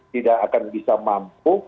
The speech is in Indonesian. tidak akan bisa mampu